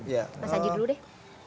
mas haji dulu deh